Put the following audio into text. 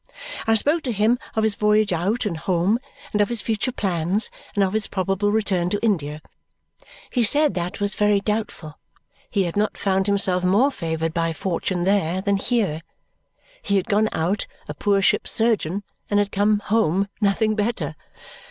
I spoke to him of his voyage out and home, and of his future plans, and of his probable return to India. He said that was very doubtful. He had not found himself more favoured by fortune there than here. He had gone out a poor ship's surgeon and had come home nothing better.